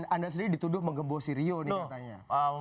anda sendiri dituduh menggembosi rio nih katanya